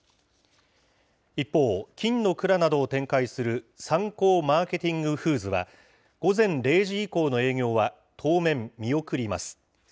一方、金の蔵などを展開するサンコーマーケティングフーズは、午前０時以降の営業は当面、見送ります。